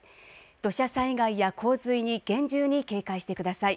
土砂災害や洪水に厳重に警戒してください。